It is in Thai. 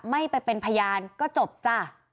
ไม่ไปเป็นพยานก็จบจ้ะ